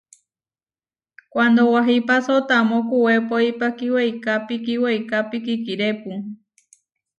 Kuándo wahipáso tamó kuwepoípa kíweikápi kíweikápi kikirépu.